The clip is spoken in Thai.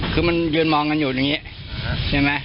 คือมันยืนมองกันอยู่อย่างนี้ใช่ไหม